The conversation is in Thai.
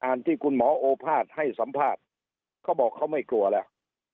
ที่คุณหมอโอภาษย์ให้สัมภาษณ์เขาบอกเขาไม่กลัวแล้ว